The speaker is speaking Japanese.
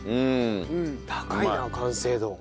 高いな完成度。